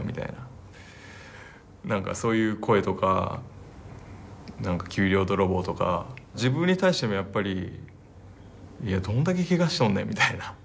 何かそういう声とか自分に対してもやっぱりいやどんだけけがしとんねんみたいな。